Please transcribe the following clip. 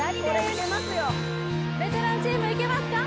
ベテランチームいけますか？